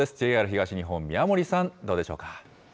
ＪＲ東日本、宮森さん、どうでしょうか。